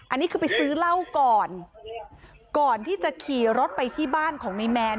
อันนี้คือไปซื้อเหล้าก่อนก่อนที่จะขี่รถไปที่บ้านของนายแมน